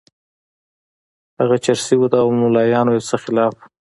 هغه چرسي وو او د ملایانو یو څه مخالف وو.